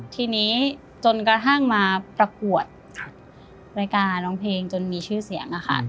ทีนี้จนกระทั่งมาประกวดรายการร้องเพลงจนมีชื่อเสียงอะค่ะ